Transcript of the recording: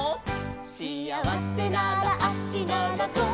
「しあわせなら足ならそう」